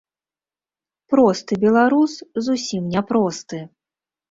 Просты беларус зусім не просты.